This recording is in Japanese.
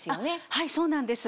はいそうなんです。